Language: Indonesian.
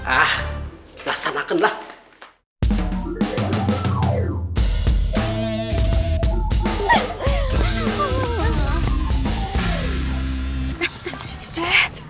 ah rasa makan lah